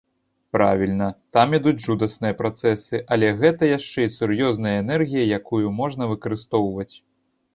Правільна, там ідуць жудасныя працэсы, але гэта яшчэ і сур'ёзная энергія, якую можна выкарыстоўваць.